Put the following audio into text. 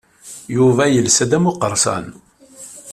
Yuba yelsa-d am uqerṣan.